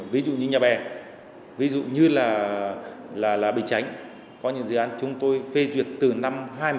ví dụ như nhà bè ví dụ như là bình chánh có những dự án chúng tôi phê duyệt từ năm hai nghìn một mươi